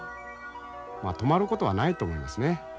止まることはないと思いますね